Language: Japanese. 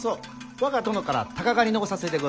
我が殿から鷹狩りのお誘いでごぜます。